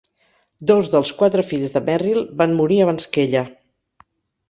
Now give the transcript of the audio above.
Dos dels quatre fills de Merrill van morir abans que ella.